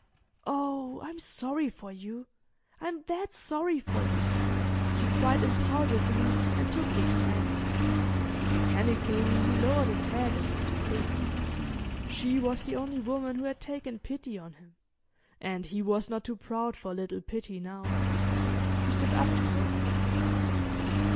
"Oh, I'm sorry for you. I'm that sorry for you!" she cried impulsively, and took Dick's hands. Mechanically, he lowered his head as if to kiss—she was the only woman who had taken pity on him, and he was not too proud for a little pity now. She stood up to go.